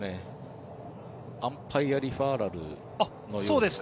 アンパイアリファーラルのようですね。